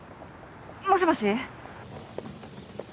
もしもし！